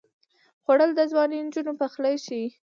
خوړل د ځوانې نجونې پخلی ښيي